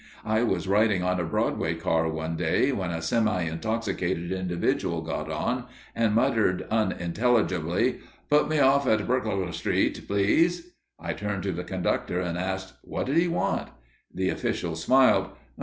I was riding on a Broadway car one day when a semi intoxicated individual got on, and muttered unintelligibly, "Put me off at Brphclwknd Street, please." I turned to the conductor and asked, "What did he want?" The official smiled.